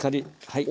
はい。